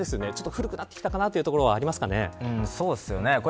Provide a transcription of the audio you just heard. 古くなってきたかなというところ、ありますかね。